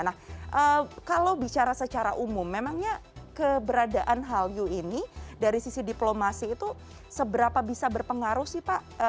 nah kalau bicara secara umum memangnya keberadaan hallyu ini dari sisi diplomasi itu seberapa bisa berpengaruh sih pak